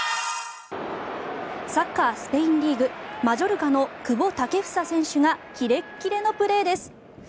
サッカースペインリーグマジョルカの久保建英選手がキレッキレのプレーです。